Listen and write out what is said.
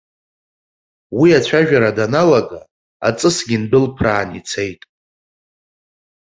Уи ацәажәара даналага, аҵысгьы ндәылԥраан ицеит.